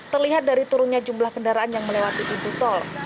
terlihat dari turunnya jumlah kendaraan yang melewati pintu tol